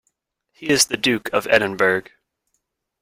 He is the Duke of Edinburgh.